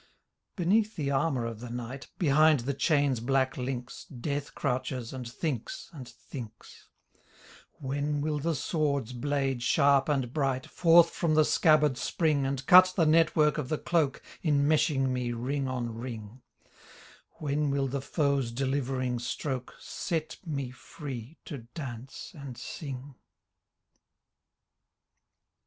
Beneath the armour of the Knight Behind the chain's black links Death crouches and thinks and thinks: "When will the sword's blade sharp and bright Forth from the scabbard spring And cut the network of the cloak Enmeshing me ring on ring — When will the foe's delivering stroke Set me free To dance And sing?"